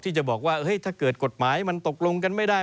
ที่จะบอกว่าถ้าเกิดกฎหมายมันตกลงกันไม่ได้